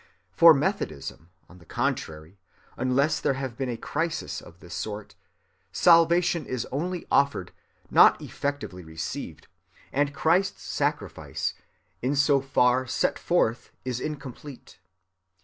For Methodism, on the contrary, unless there have been a crisis of this sort, salvation is only offered, not effectively received, and Christ's sacrifice in so far forth is incomplete.